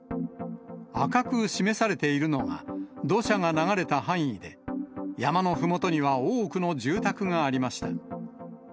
赤く示されているのが、土砂が流れた範囲で、山のふもとには多くの住宅がありました。